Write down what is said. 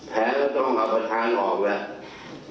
ก็ต้องเอาประธานออกแล้ว